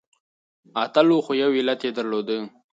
اتل و خو يو علت يې درلودی .